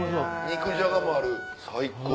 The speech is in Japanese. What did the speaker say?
肉じゃがもある最高。